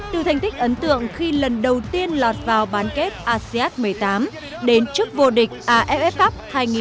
từ thành tích ấn tượng khi lần đầu tiên lọt vào bán kết asean một mươi tám đến trước vô địch aff cup hai nghìn một mươi tám